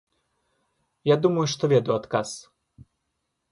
Я думаю, што ведаю адказ.